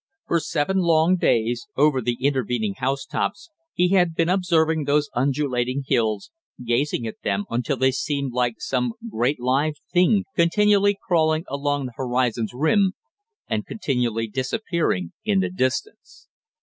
For seven long days, over the intervening housetops, he had been observing those undulating hills, gazing at them until they seemed like some great live thing continually crawling along the horizon's rim, and continually disappearing in the distance.